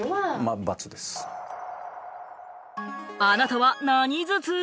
あなたは何頭痛？